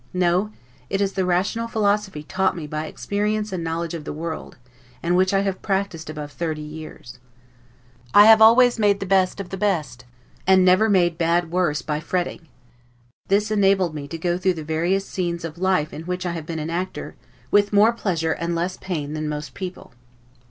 No, it is the rational philosophy taught me by experience and knowledge of the world, and which I have practiced above thirty years. I always made the best of the best, and never made bad worse by fretting; this enabled me to go through the various scenes of life in which I have been an actor, with more pleasure and less pain than most people.